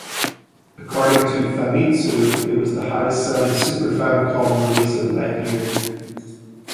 According to "Famitsu", it was the highest-selling Super Famicom release of that year.